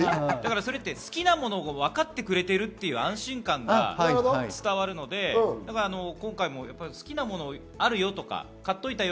好きなものをわかってくれているっていう安心感が伝わるので今回も好きなものあるよとか買っといたよ！